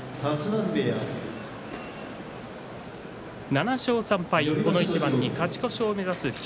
７勝３敗、この一番に勝ち越しを目指す霧